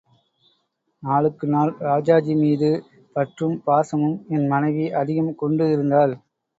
நாளுக்கு நாள் ராஜாஜி மீது பற்றும் பாசமும் என் மனைவி அதிகம் கொண்டு இருந்தாள்.